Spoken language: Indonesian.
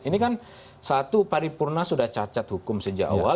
ini kan satu paripurna sudah cacat hukum sejak awal